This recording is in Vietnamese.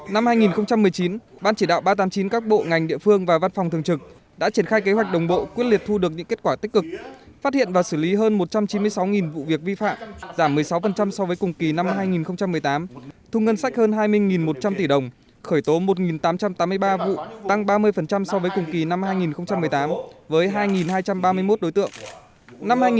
năm hai nghìn một mươi chín ban chỉ đạo ba trăm tám mươi chín các bộ ngành địa phương và văn phòng thường trực đã triển khai kế hoạch đồng bộ quyết liệt thu được những kết quả tích cực phát hiện và xử lý hơn một trăm chín mươi sáu vụ việc vi phạm giảm một mươi sáu so với cùng kỳ năm hai nghìn một mươi tám thu ngân sách hơn hai mươi một trăm linh tỷ đồng khởi tố một tám trăm tám mươi ba vụ tăng ba mươi so với cùng kỳ năm hai nghìn một mươi tám với hai hai trăm ba mươi một đối tượng